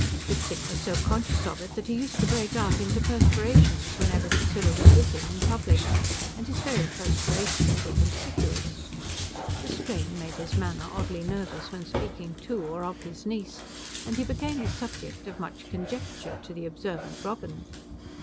Fritzing was so conscious of it that he used to break out into perspirations whenever Priscilla was with him in public, and his very perspirations were conspicuous. The strain made his manner oddly nervous when speaking to or of his niece, and he became the subject of much conjecture to the observant Robin.